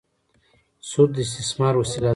سود د استثمار وسیله ده.